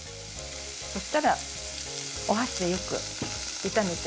そしたらおはしでよくいためて。